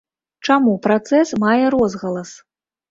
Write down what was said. Чаму працэс мае розгалас?